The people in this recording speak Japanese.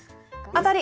当たり！